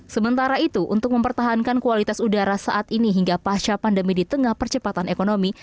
sementara itu untuk mempertahankan kualitas udara saat ini hingga pasca pandemi di tengah percepatan ekonomi